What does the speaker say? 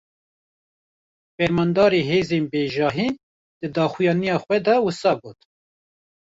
Fermandarê hêzên bejahî, di daxuyaniya xwe de wisa got: